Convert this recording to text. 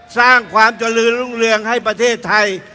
สร้างความเจริญรุ่งเรืองให้ประเทศไทย